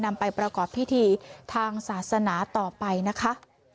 นำไปประกอบพิธีทางศาสนาต่อไปนะคะ